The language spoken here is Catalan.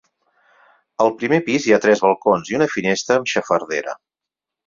Al primer pis hi ha tres balcons i una finestra amb xafardera.